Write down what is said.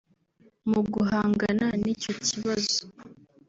Mu guhangana n’icyo kibazo